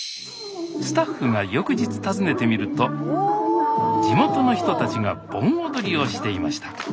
スタッフが翌日訪ねてみると地元の人たちが盆踊りをしていました。